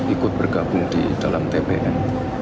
ikut bergabung di dalam tpn